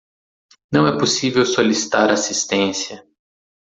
Não é possível solicitar assistência